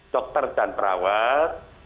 dokter dan perawat